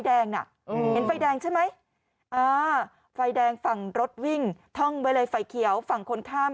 แดงนะไฟแดงใช่ไหมไฟแดงฝั่งรถวิ่งท่องไฟเขียวฝั่งคนข้าม